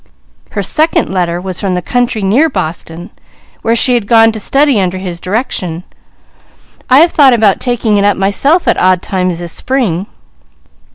Her second letter was from the country near Boston, where she had gone to study under his direction. I have thought about taking it up myself at odd times this spring."